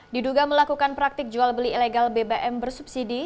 diduga melakukan praktik jual beli ilegal bbm bersubsidi